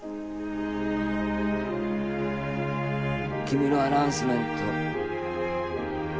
君のアナウンスメント